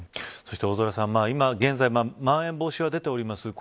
そして、大空さん、今現在まん延防止は出ております。